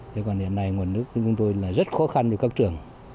thế còn hiện nay nguồn nước của chúng tôi là rất khó khăn cho các trường